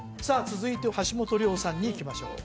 続いて橋本涼さんにいきましょう